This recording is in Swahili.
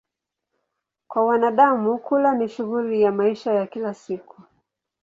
Kwa wanadamu, kula ni shughuli ya maisha ya kila siku.